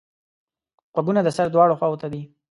غوږونه د سر دواړو خواوو ته دي